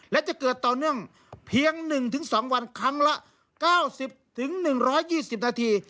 และจะเกิดต่อเนื่องเพียงหนึ่งถึงสองวันครั้งละ๙๐๑๒๐นาที